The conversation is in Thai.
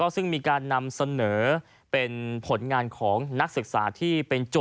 ซึ่งมีการนำเสนอเป็นผลงานของนักศึกษาที่เป็นโจทย